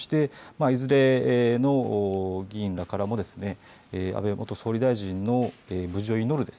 いずれの議員からも安倍元総理大臣の無事を祈る